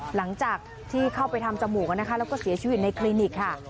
หลังจากที่เข้าไปทำจมูกนะคะแล้วก็เสียชีวิตในคลินิกค่ะ